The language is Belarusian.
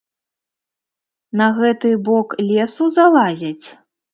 На гэты бок лесу залазяць?